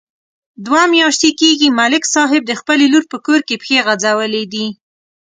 دوه میاشتې کېږي، ملک صاحب د خپلې لور په کور کې پښې غځولې دي.